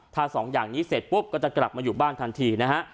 ถ้าสองอย่างนี้เสร็จปุ๊บก็จะกลับมาอยู่บ้านทันทีนะฮะ